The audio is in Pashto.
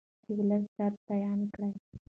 د ولس درد بیان کړئ.